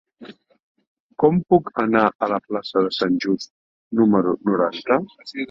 Com puc anar a la plaça de Sant Just número noranta?